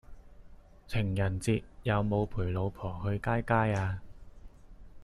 情人節有無陪老婆去街街呀